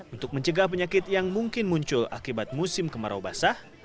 untuk mencegah penyakit yang mungkin muncul akibat musim kemarau basah